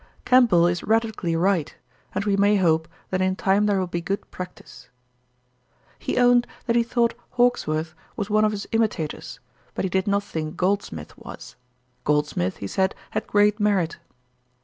Campbell is radically right; and we may hope, that in time there will be good practice.' He owned that he thought Hawkesworth was one of his imitators, but he did not think Goldsmith was. Goldsmith, he said, had great merit.